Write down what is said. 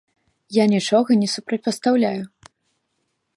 Я нічога не супрацьпастаўляю.